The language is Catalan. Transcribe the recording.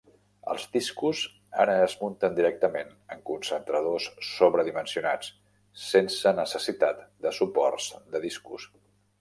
Els discos ara es munten directament en concentradors sobredimensionats, sense necessitat de suports de discos.